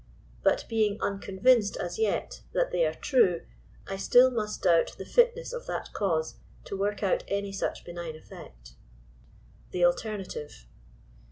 But being unconvinced as yet that they are true, I still must doubt the fitness of that cause to work out any such benign effect. THE ALTERNATIVE.